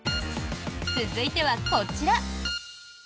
続いてはこちら。